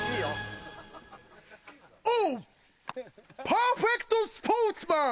パーフェクトスポーツマン！